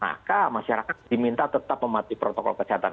maka masyarakat diminta tetap mematuhi protokol kesehatan